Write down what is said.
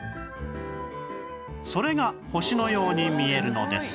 それが星のように見えるのです